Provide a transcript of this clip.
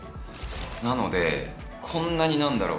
なのでこんなに何だろう？